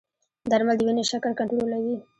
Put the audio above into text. درمل د وینې شکر کنټرولوي.